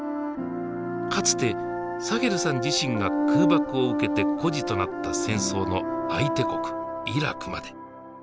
かつてサヘルさん自身が空爆を受けて孤児となった戦争の相手国イラクまで。